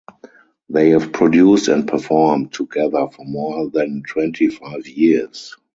They have produced and performed together for more than twenty five years.